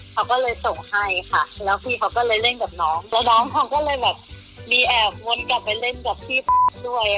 เขาก็เลยส่งให้ค่ะแล้วพี่เขาก็เลยเล่นกับน้องแล้วน้องเขาก็เลยแบบมีแอบวนกลับไปเล่นกับพี่ด้วย